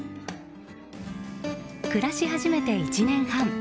暮らし始めて１年半。